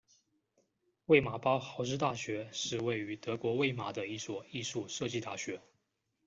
魏玛包豪斯大学是位于德国魏玛的一所艺术设计大学。